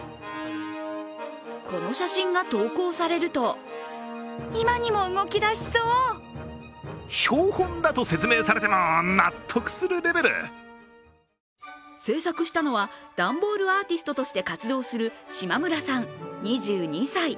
この写真が投稿されると制作したのは段ボールアーティストとして活動する島村さん２２歳。